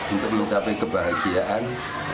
untuk mencapai kebahagiaan